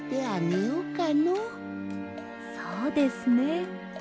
そうですね。